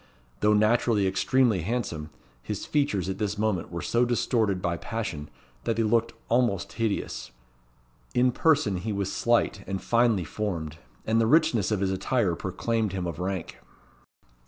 Though naturally extremely handsome, his features at this moment were so distorted by passion that they looked almost hideous. In person he was slight and finely formed; and the richness of his attire proclaimed him of rank.